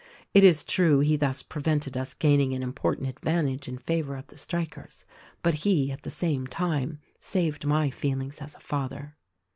It is true he thus prevented us gaining an important advantage in favor of the strikers; but he, at the same time, saved my feelings as a father.